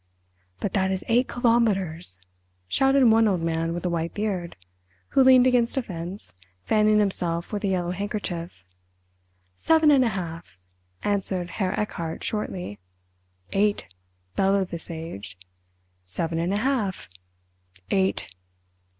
"But that is eight kilometres," shouted one old man with a white beard, who leaned against a fence, fanning himself with a yellow handkerchief. "Seven and a half," answered Herr Erchardt shortly. "Eight," bellowed the sage. "Seven and a half!" "Eight!"